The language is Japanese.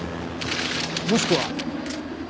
もしくは。